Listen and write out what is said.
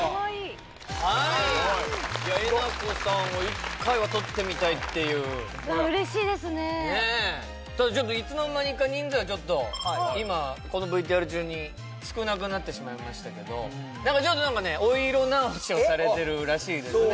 なこさんを１回は撮ってみたいっていうただちょっといつの間にか人数はちょっと今このＶＴＲ中に少なくなってしまいましたけど何かちょっと何かねお色直しをされてるらしいですね